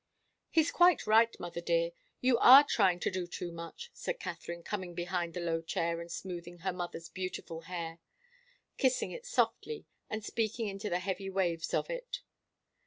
"He's quite right, mother dear. You are trying to do too much," said Katharine, coming behind the low chair and smoothing her mother's beautiful hair, kissing it softly and speaking into the heavy waves of it.